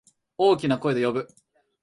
大きな声で呼ぶ。